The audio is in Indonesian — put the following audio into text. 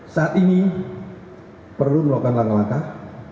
saat ini perlu melakukan langkah langkah